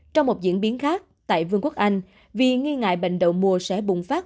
trong một diễn biến khác tại vương quốc anh vì nghi ngại bệnh đậu mùa sẽ bùng phát